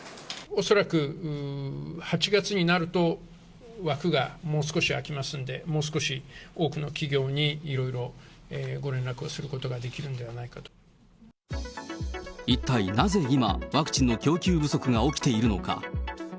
恐らく８月になると枠がもう少し空きますんで、もう少し多くの企業にいろいろご連絡をすることができるんじゃな一体なぜ今、ワクチンの供給不足が起きているのか。